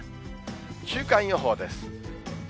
週間予報です。